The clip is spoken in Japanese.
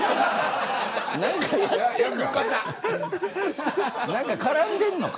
何かやってるのか。